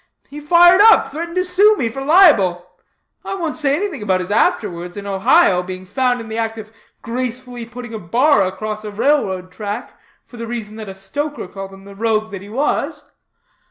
He fired up; threatened to sue for libel. I won't say anything about his afterwards, in Ohio, being found in the act of gracefully putting a bar across a rail road track, for the reason that a stoker called him the rogue that he was.